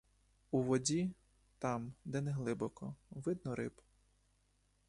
У воді, там, де неглибоко, видно риб.